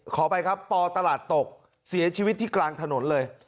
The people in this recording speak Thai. ขออภัยครับปตลาดตกเสียชีวิตที่กลางถนนเลย